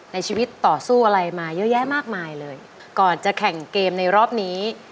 ในชีวิตต่อสู้อะไรมาเยอะแยะมากมายเลยก่อนจะแข่งเกมในรอบนี้